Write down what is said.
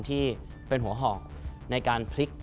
ที่เป็นหัวหอกในการพลิก